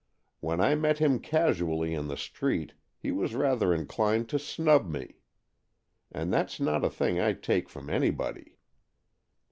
When I met him casually in the street, he was rather inclined to snub me. 'And that's not a thing I take from anybody.